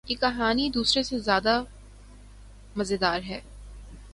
یہ کہانی دوسرے سے زیادو مزیدار ہے